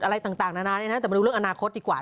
อะไรต่างนานาเนี่ยนะแต่มาดูเรื่องอนาคตดีกว่า